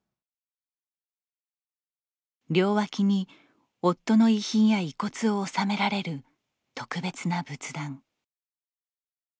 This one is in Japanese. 両脇に夫の遺品や遺骨を納められる特別な仏壇。